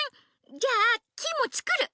じゃあキイもつくる！